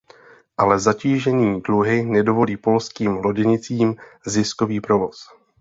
Ale zatížení dluhy nedovolí polským loděnicím ziskový provoz.